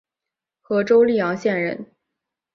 和州历阳县人。